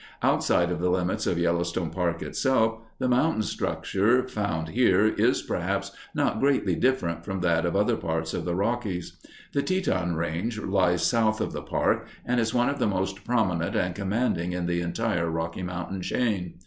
Outside of the limits of Yellowstone Park itself, the mountain structure found here is, perhaps, not greatly different from that of other parts of the Rockies. The Teton range lies south of the park, and is one of the most prominent and commanding in the entire Rocky Mountain chain.